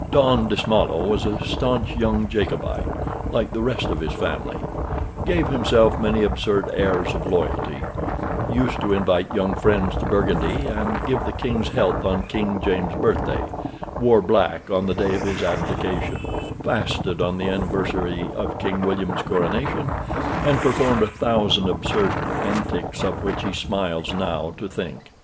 Don Dismallo was a staunch young Jacobite, like the rest of his family; gave himself many absurd airs of loyalty; used to invite young friends to Burgundy, and give the King's health on King James's birthday; wore black on the day of his abdication; fasted on the anniversary of King William's coronation; and performed a thousand absurd antics, of which he smiles now to think.